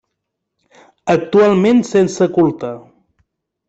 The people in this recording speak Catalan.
Actualment sense culte.